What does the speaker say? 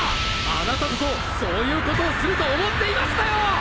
あなたこそそういうことをすると思っていましたよ！